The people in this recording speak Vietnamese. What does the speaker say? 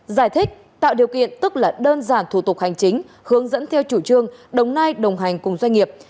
giải thích tạo điều kiện tức là đơn giản thủ tục hành chính hướng dẫn theo chủ trương đồng nai đồng hành cùng doanh nghiệp